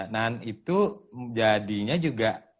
nah itu jadinya juga